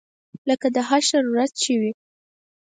لکه د حشر ورځ چې وي.